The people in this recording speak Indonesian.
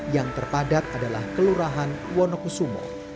yang terpadat adalah kelurahan wonokusumo